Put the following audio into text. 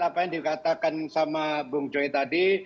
apa yang dikatakan sama bung joy tadi